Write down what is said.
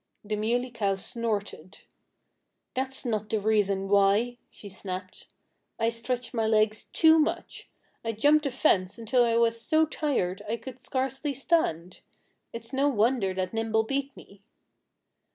The Muley Cow snorted. "That's not the reason why," she snapped. "I stretched my legs too much. I jumped the fence until I was so tired I could scarcely stand. It's no wonder that Nimble beat me."